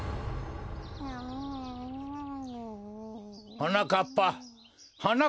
はなかっぱはなかっぱ！